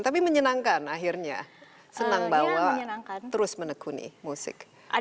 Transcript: tapi menyenangkan akhirnya senang bahwa terus menekuni musik